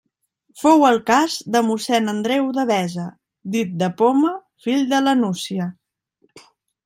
Fou el cas de mossén Andreu Devesa, dit de Poma, fill de la Nucia.